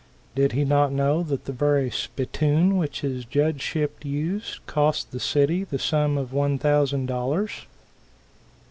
Did he not know that the very "spittoon" which his judgeship used cost the city the sum of one thousand dollars?